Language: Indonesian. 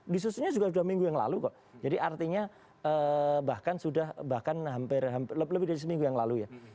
disusunnya juga dua minggu yang lalu kok jadi artinya bahkan sudah bahkan hampir lebih dari seminggu yang lalu ya